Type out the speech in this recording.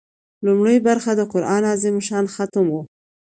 لومړۍ برخه د قران عظیم الشان ختم و.